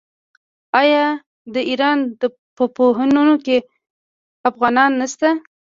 آیا د ایران په پوهنتونونو کې افغانان نشته؟